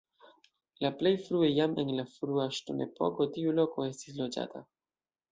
La plej frue jam en la frua ŝtonepoko tiu loko estis loĝata.